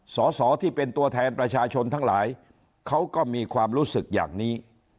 สอสอที่เป็นตัวแทนประชาชนทั้งหลายเขาก็มีความรู้สึกอย่างนี้